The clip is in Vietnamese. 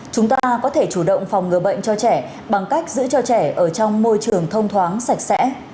chúng ta có thể chủ động phòng ngừa bệnh cho trẻ bằng cách giữ cho trẻ ở trong môi trường thông thoáng sạch sẽ